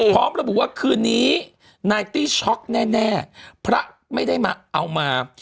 พร้อมระบุว่าคืนนี้นายตี้ช็อกแน่พระไม่ได้มาเอามา